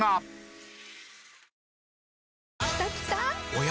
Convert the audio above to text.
おや？